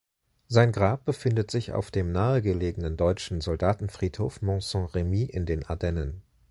Sein Grab befindet sich auf dem nahegelegenen deutschen Soldatenfriedhof Mont-Saint-Remy in den Ardennen.